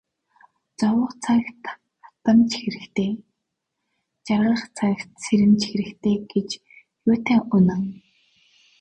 Зовох цагт хатамж хэрэгтэй, жаргах цагт сэрэмж хэрэгтэй гэж юутай үнэн.